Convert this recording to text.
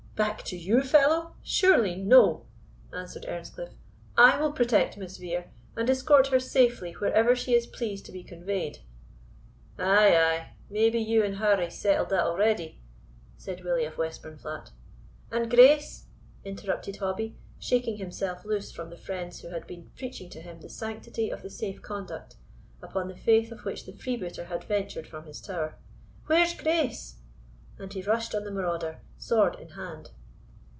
"Back to you, fellow? Surely no," answered Earnscliff; "I will protect Miss Vere, and escort her safely wherever she is pleased to be conveyed." "Ay, ay, maybe you and her hae settled that already," said Willie of Westburnflat. "And Grace?" interrupted Hobbie, shaking himself loose from the friends who had been preaching to him the sanctity of the safe conduct, upon the faith of which the freebooter had ventured from his tower, "Where's Grace?" and he rushed on the marauder, sword in hand.